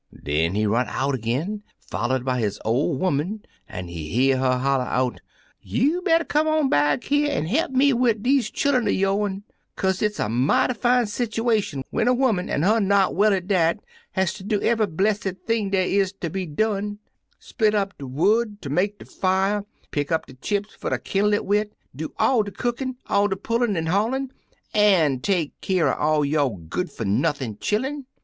Den he run out ag'in, foUer'd by his ol' 'oman, an' he hear her holla out, * You better come on back here an' he'p me wid deze chillun er yone, kaze it's a mighty fine sitiwation when a 'oman, an' her not well at dat, has ter do eve'y blessed thing dey is ter be done — split up de wood ter make a fier, pick up de chips fer ter kin'le it wid, do all de cook in', all de pullin' an' haulin', an' take keer 93 Uncle Remus Returns er all yo' good for nothin* chillun!